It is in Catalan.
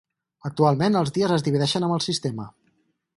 Actualment, els dies es divideixen amb el sistema.